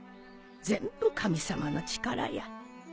全部神様の力や。